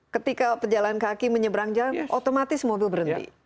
ketika pejalan kaki menyeberang jalan otomatis mobil berhenti